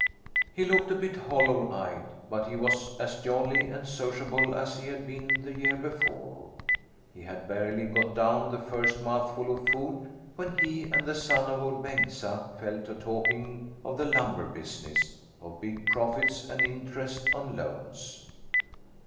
He looked a bit hollow eyed, but he was as jolly and sociable as he had been the year before. He had barely got down the first mouthful of food when he and the son of Ol' Bengtsa fell to talking of the lumber business, of big profits and interest on loans.